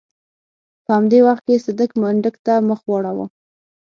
په همدې وخت کې صدک منډک ته مخ واړاوه.